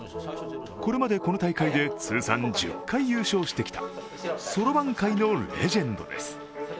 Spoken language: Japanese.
これまでこの大会で通算１０回優勝してきたそろばん界のレジェンドです。